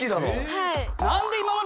はい。